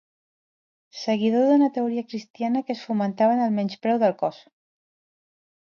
Seguidor d'una teoria cristiana que es fonamentava en el menyspreu del cos.